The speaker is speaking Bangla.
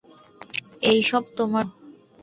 এসব তোমার জন্য।